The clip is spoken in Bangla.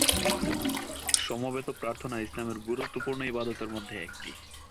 সমবেত প্রার্থনা ইসলামের গুরুত্বপূর্ণ ইবাদতের মধ্যে একটি।